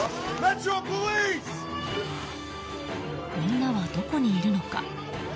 女はどこにいるのか？